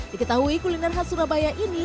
diketahui kuliner khas surabaya ini